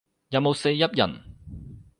有冇四邑人